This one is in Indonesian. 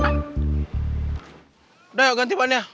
udah yuk ganti panah